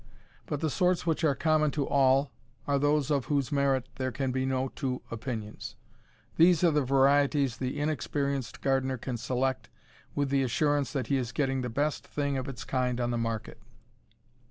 But the sorts which are common to all are those of whose merit there can be no two opinions. These are the varieties the inexperienced gardener can select with the assurance that he is getting the best thing of its kind on the market.